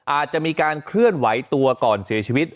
อาจจะมีการเคลื่อนไหวตัวก่อนเสียชีวิต